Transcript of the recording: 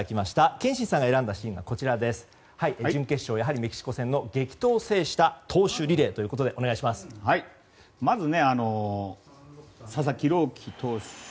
憲伸さんが選んだシーンは準決勝、メキシコ戦の激闘を制した投手リレーということでまず、佐々木朗希投手。